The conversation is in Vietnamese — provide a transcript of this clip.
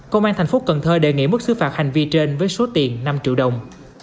công an thành phố cần thơ đề nghị mức xứ phạt hành vi trên với số tiền năm triệu đồng